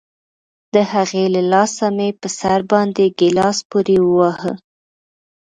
د هغې له لاسه مې په سر باندې گيلاس پورې وواهه.